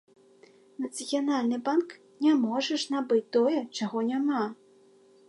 Нацыянальны банк не можа ж набыць тое, чаго няма!